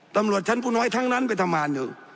ตำรวจชั้นผู้น้อยทั้งนั้นไปทำงานอยู่